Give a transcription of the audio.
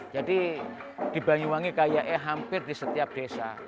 jadi di banyuwangi kayaknya hampir di setiap desa